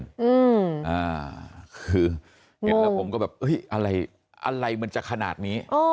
แล้วผมก็อะไรมันจะขนาดนี้